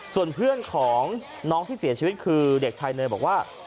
ส่วนเพื่อนของน้องที่เสียชีวิตคือเด็กชายเนยบอกว่า